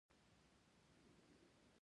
بیا عدلیې وزارت ته لیږل کیږي.